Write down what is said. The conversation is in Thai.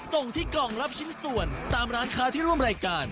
ส่งที่กล่องรับชิ้นส่วนตามร้านค้าที่ร่วมรายการ